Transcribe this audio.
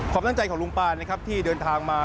ความตั้งใจของลุงปานนะครับที่เดินทางมา